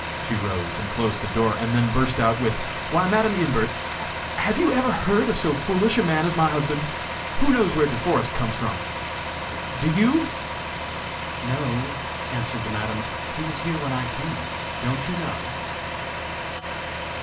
She rose and closed the door, and then burst out with, "Why, Madam Imbert, have you ever heard of so foolish a man as my husband? Who knows where De Forest comes from? Do you?" "No," answered the Madam; "he was here when I came. Don't you know?"